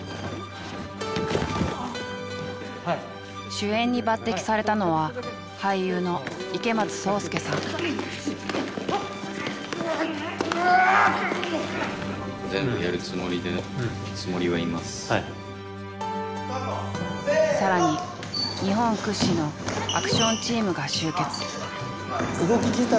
主演に抜てきされたのは更に日本屈指のアクションチームが集結。